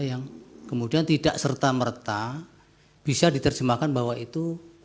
yang kemudian tidak serta merta bisa diterjemahkan bahwa itu